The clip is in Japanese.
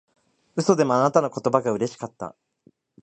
嘘でもあなたの言葉がうれしかった